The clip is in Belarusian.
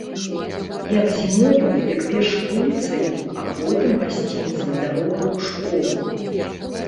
Як зімою, дык перш вуліцаю, а потым гасцінцам дарога ў школу.